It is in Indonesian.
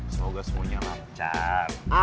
semoga semuanya lancar